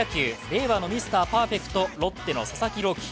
令和のミスター・パーフェクトロッテの佐々木朗希。